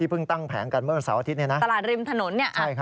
ที่เพิ่งตั้งแผงเหมือนเวลาเสาร์อาทิตย์ตลาดริมถนนเนี่ย